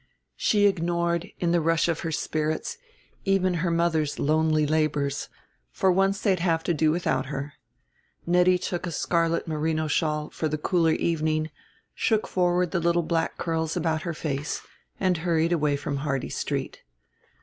She ignored, in the rush of her spirits, even her mother's lonely labors: for once they'd have to do without her. Nettie took a scarlet merino shawl for the cooler evening, shook forward the little black curls about her face, and hurried away from Hardy Street.